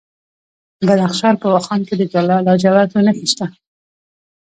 د بدخشان په واخان کې د لاجوردو نښې شته.